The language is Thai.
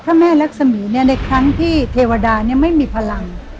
พระแม่รักษมีในครั้งที่เทวดาไม่มีพลัง